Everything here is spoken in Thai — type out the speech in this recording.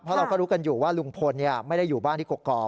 เพราะเราก็รู้กันอยู่ว่าลุงพลไม่ได้อยู่บ้านที่กรอก